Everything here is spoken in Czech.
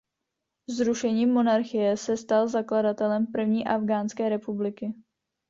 Zrušením monarchie se stal zakladatelem první afghánské republiky.